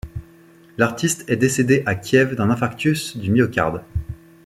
L'artiste est décédé à Kiev d'un infarctus du myocarde.